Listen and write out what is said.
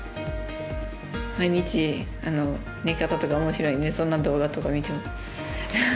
毎日、寝方とかおもしろいのでそんな動画とか見てます。